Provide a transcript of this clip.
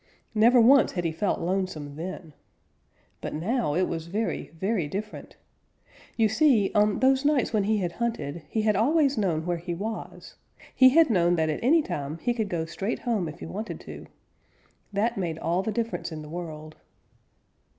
Never once had he felt lonesome then. But now it was very, very different. You see, on those nights when he had hunted he always had known where he was. He had known that at any time he could go straight home if he wanted to. That made all the difference in the world.